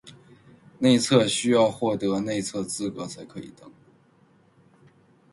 内测需要获得内测资格才可以登录